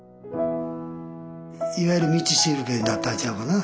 いわゆる道しるべだったんちゃうかな。